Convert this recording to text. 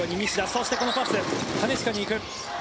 そしてこのパス金近に行く。